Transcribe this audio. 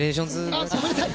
ああ、ごめんなさい。